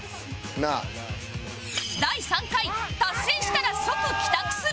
第３回達成したら即帰宅するねん